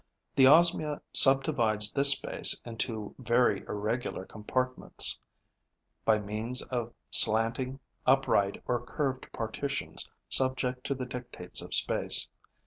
The Osmia subdivides this space into very irregular compartments by means of slanting, upright or curved partitions, subject to the dictates of space.